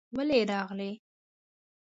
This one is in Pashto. ولې راغلې؟